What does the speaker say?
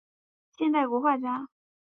现代国画家。